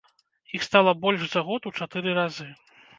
Іх стала больш за год у чатыры разы!